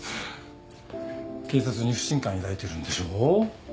警察に不信感抱いてるんでしょ？